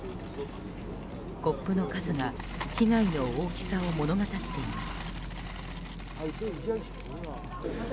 コップの数が被害の大きさを物語っています。